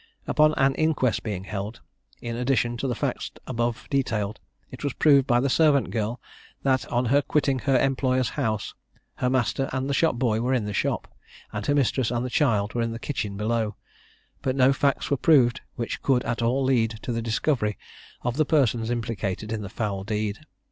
Upon an inquest being held, in addition to the facts above detailed, it was proved by the servant girl that, on her quitting her employer's house, her master and the shop boy were in the shop, and her mistress and the child were in the kitchen below; but no facts were proved which could at all lead to the discovery of the persons implicated in the foul deed.